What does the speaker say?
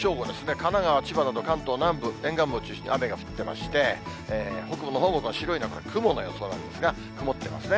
神奈川、千葉など関東南部、沿岸部を中心に雨が降ってまして、北部のほうも、白いのはこれ、雲の予想なんですが、曇ってますね。